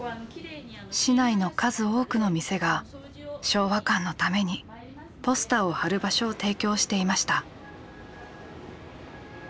市内の数多くの店が昭和館のためにポスターを貼る場所を提供していました。